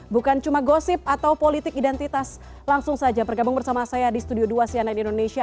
bukan cuma gosip atau politik identitas langsung saja bergabung bersama saya di studio dua cnn indonesia